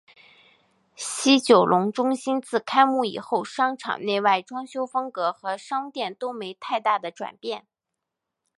西九龙中心自开幕以后商场内外装修风格和商店都没太大的转变。